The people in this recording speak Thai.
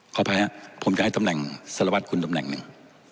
ขอโทษนะครับผมจะให้ตำแหน่งสลวัสดิ์คุณตำแหน่งหนึ่ง